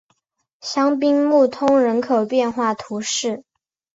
香槟穆通人口变化图示